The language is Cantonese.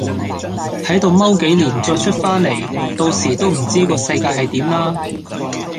係度踎幾年再出返嚟，到時都唔知個世界係點啦